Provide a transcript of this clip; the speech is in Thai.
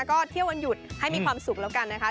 ก็เที่ยววันหยุดให้มีความสุขแล้วกันนะคะ